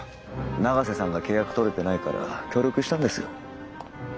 永瀬さんが契約取れてないから協力したんですよ。